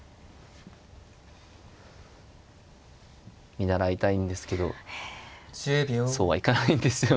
見習いたいんですけどそうはいかないんですよね。